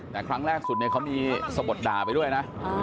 แต่ครั้งแรกสุดเนี่ยเขามีสะบดด่าไปด้วยนะ